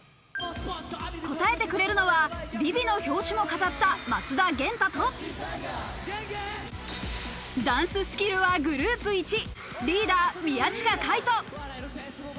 答えてくれるのは『ＶｉＶｉ』の表紙も飾った松田元太と、ダンススキルはグループいち、リーダー宮近海斗。